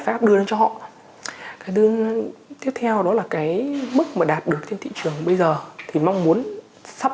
pháp đưa lên cho họ cái tiếp theo đó là cái mức mà đạt được trên thị trường bây giờ thì mong muốn sắp